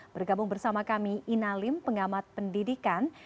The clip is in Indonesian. bergabung bersama kami ina lim pengamat pendidikan